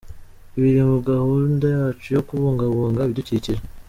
Biri muri gahunda yacu yo kubungabunga ibidukikije".